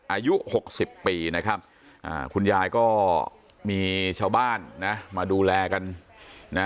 อายุหกสิบปีนะครับคุณยายก็มีชาวบ้านนะมาดูแลกันนะ